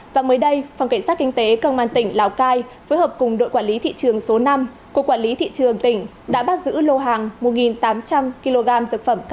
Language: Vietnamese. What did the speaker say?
và mới đây phòng cảnh sát kinh tế công an tỉnh lào cai phối hợp cùng đội quản lý thị trường số năm của quản lý thị trường tỉnh đã bắt giữ lô hàng một tám trăm linh kg dược phẩm